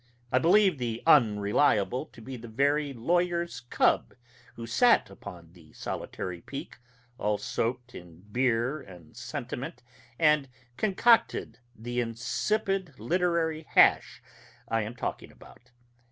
I believe the Unreliable to be the very lawyer's cub who sat upon the solitary peak, all soaked in beer and sentiment, and concocted the insipid literary hash I am talking about.